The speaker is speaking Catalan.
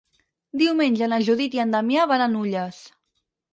Diumenge na Judit i en Damià van a Nulles.